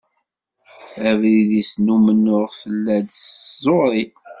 Abrid-is n umennuɣ tella-d s tẓuri.